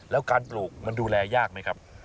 แล้วการปลูกมันดูแลยากไหมครับ